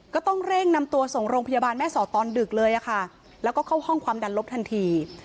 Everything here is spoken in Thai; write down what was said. ก็ต้องเร่งนำตัวส่งโรงพยาบาลแม่สอดตอนดึกเลยค่ะแล้วก็เข้าห้องความดันลบทันที